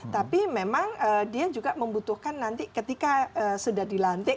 tapi memang dia juga membutuhkan nanti ketika sudah dilantik